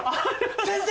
先生！